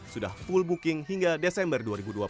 sudah full booking hingga desember dua ribu dua puluh